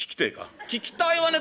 「聞きたいわね